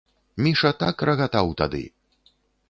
Міша так рагатаў тады!